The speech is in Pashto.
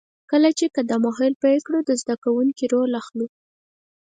کله چې قدم وهل پیل کړو، د زده کوونکي رول اخلو.